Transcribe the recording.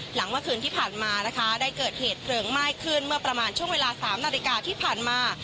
หลังเมื่อคืนที่ผ่านมานะคะได้เกิดเหตุเพลิงไหม้ขึ้นเมื่อประมาณช่วงเวลา๓นาฬิกาที่ผ่านมา